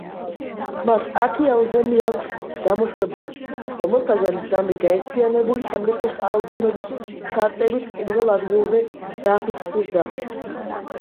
მას ათი ალბომი აქვს გამოშვებული, რომელთაგან სამი გაერთიანებული სამეფოს ალბომების ჩარტების პირველ ადგილზე დაფიქსირდა.